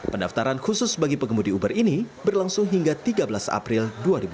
pendaftaran khusus bagi pengemudi uber ini berlangsung hingga tiga belas april dua ribu dua puluh